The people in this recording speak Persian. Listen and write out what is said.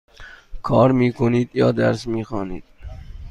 کار می کنید یا درس می خوانید؟